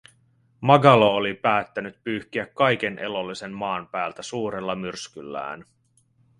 Magalo oli päättänyt pyyhkiä kaiken elollisen maan päältä suurella myrskyllään.